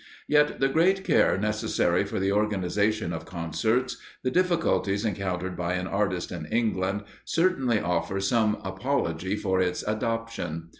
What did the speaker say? Yet the great care necessary for the organisation of concerts, the difficulties encountered by an artist in England, certainly offer some apology for its adoption.